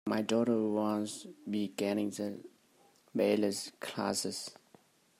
My daughter wants to begin ballet classes.